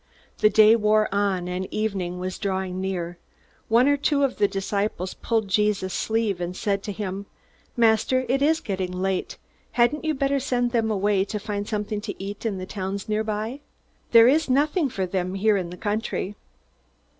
The day wore on, and evening was drawing near. One or two of the disciples pulled Jesus' sleeve, and said to him: "Master, it is getting late. Hadn't you better send them away to find something to eat in the towns near by? There is nothing for them out here in the country."